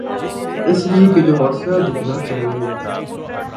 اس لئے کہ جو حوصلہ دکھانا چاہیے۔